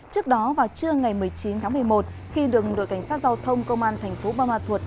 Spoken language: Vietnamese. trước đó vào trưa ngày một mươi chín tháng một mươi một khi đường đội cảnh sát giao thông công an thành phố buôn ma thuột